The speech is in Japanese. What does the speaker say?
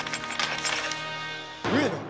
上野